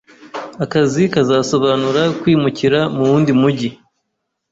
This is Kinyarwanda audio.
Akazi kazasobanura kwimukira mu wundi mujyi.